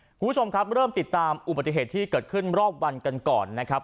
คุณผู้ชมครับเริ่มติดตามอุบัติเหตุที่เกิดขึ้นรอบวันกันก่อนนะครับ